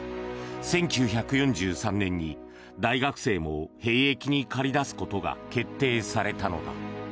１９４３年に大学生も兵役に駆り出すことが決定されたのだ。